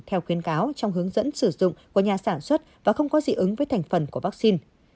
theo khuyến cáo trong hướng dẫn sử dụng của nhà sản xuất và không có dị ứng với thành phần của vaccine